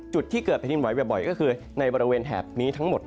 จุดที่เกิดแผ่นดินไหวบ่อยก็คือในบริเวณแถบนี้ทั้งหมด